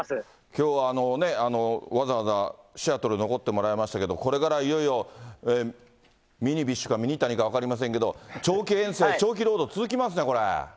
きょうはわざわざ、シアトル、残ってもらいましたけど、これからいよいよ、ミニビッシュか、ミニタニか分かりませんけど、長期遠征、長期ロード、続きますね。